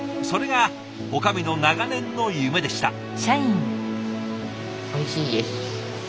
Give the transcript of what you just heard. それが女将の長年の夢でした。